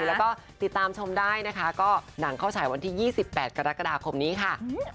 แล้วก็ติดตามชมได้นะคะก็หนังเข้าฉายวันที่๒๘กรกฎาคมนี้ค่ะ